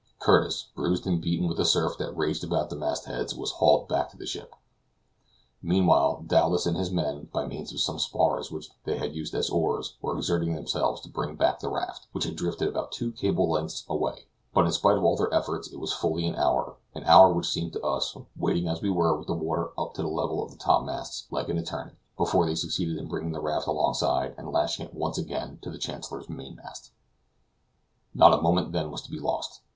Curtis, bruised and beaten with the surf that raged about the mast heads, was hauled back to the ship. Meantime, Dowlas and his men, by means of some spars which they used as oars, were exerting themselves to bring back the raft, which had drifted about two cables' lengths away; but, in spite of all their efforts, it was fully an hour an hour which seemed to us, waiting as we were with the water up to the level of the top masts, like an eternity before they succeeded in bringing the raft alongside, and lashing it once again to the Chancellor's main mast. Not a moment was then to be lost.